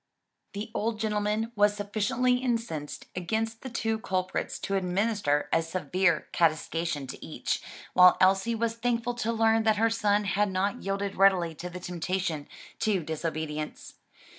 The old gentleman was sufficiently incensed against the two culprits to administer a severe castigation to each, while Elsie was thankful to learn that her son had not yielded readily to the temptation to disobedience.